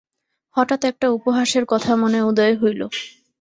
হঠাৎ একটা উপহাসের কথা মনে উদয় হইল।